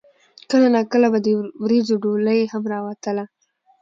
کله نا کله به د وريځو ډولۍ هم راوتله